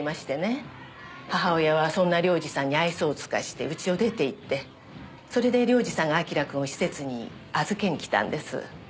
母親はそんな良司さんに愛想を尽かして家を出ていってそれで良司さんが明君を施設に預けに来たんです。